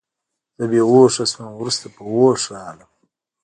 زه بې هوښه شوم او وروسته په هوښ راغلم